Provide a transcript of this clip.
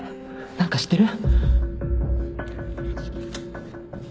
何か知ってる？